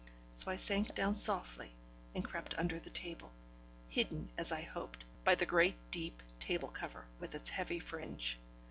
So I sank down softly, and crept under the table, hidden as I hoped, by the great, deep table cover, with its heavy fringe.